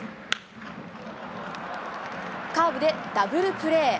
カーブでダブルプレー。